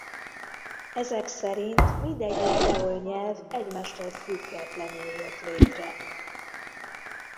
Ezek szerint mindegyik kreol nyelv egymástól függetlenül jött létre.